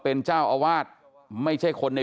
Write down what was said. เมื่อยครับเมื่อยครับ